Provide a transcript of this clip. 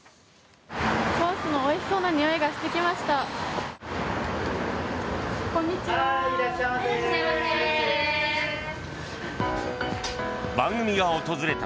ソースのおいしそうなにおいがしてきました。